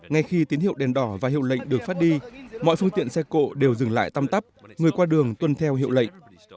ngay khi tín hiệu đèn đỏ và hiệu lệnh được phát đi mọi phương tiện xe cộ đều dừng lại tăm tắp người qua đường tuân theo hiệu lệnh